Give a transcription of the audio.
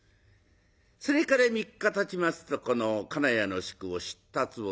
それから３日たちますとこの金谷の宿を出立をする。